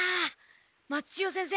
松千代先生